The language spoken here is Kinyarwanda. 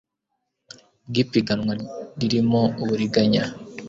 bw ipiganwa ririmo uburiganya